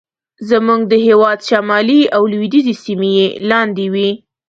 زموږ د هېواد شمالي او لوېدیځې سیمې یې لاندې وې.